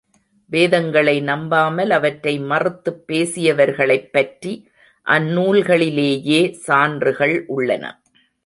வேதங்களை நம்பாமல், அவற்றை மறுத்துப் பேசியவர்களைப் பற்றி அந்நூல்களிலேயே சான்றுகள் உள்ளன.